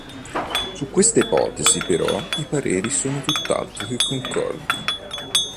Su questa ipotesi però i pareri sono tutt’altro che concordi.